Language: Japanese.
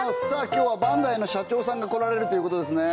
今日はバンダイの社長さんが来られるということですね